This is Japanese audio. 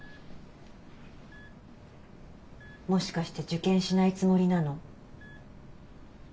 もしかして受験しないつもりなの？